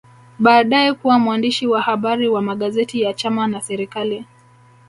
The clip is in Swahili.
Baadae kuwa mwandishi wa habari wa magazeti ya chama na serikali